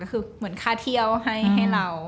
คือเหมือนค่าเที่ยวให้เรา